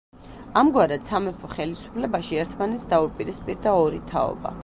ამგვარად სამეფო ხელისუფლებაში ერთმანეთს დაუპირისპირდა ორი თაობა.